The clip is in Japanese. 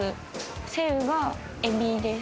セウがエビです。